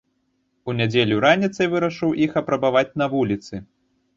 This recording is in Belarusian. У нядзелю раніцай вырашыў іх апрабаваць на вуліцы.